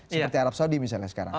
seperti arab saudi misalnya sekarang